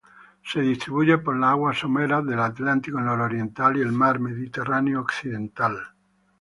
Se distribuye por las aguas someras del Atlántico nororiental y el mar Mediterráneo occidental.